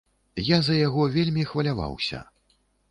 Я за яго вельмі хваляваўся.